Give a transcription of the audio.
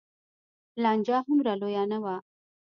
لانجه هومره لویه نه وه.